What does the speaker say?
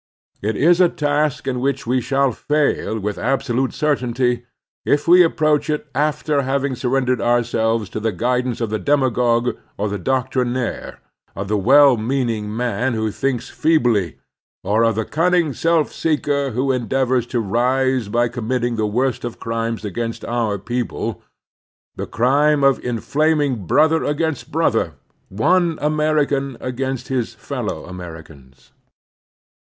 It is a task in which we shall fail with absolute certainty if we approach it after having surrendered ourselves to the guidance of the demagogue, or the doctrinaire, of the well meaning man who thinks feebly, or of the cunning self seeker who endeavors to rise by committing that worst of crimes against our people — ^the crime of inflaming brother against brother, one American against his fellow Americans.